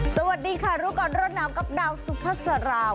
สวัสดีค่ะรู้ก่อนร้อนหนาวกับดาวสุภาษารา